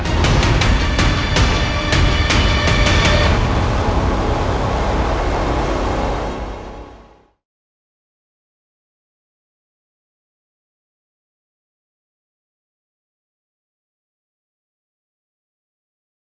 โปรดติดตามตอนต่อไป